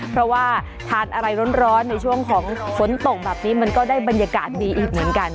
เพราะว่าทานอะไรร้อนในช่วงของฝนตกแบบนี้มันก็ได้บรรยากาศดีอีกเหมือนกัน